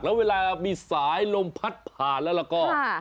แล้วเวลามีสายลมพัดผ่านแล้วก็